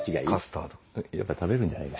やっぱ食べるんじゃないか。